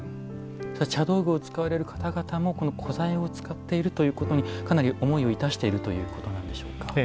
茶道具を使われる方々も古材を使っているということにかなり思いをいたしているということなんでしょうか。